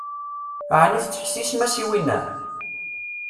Ɛni tettḥessisem-as i winna?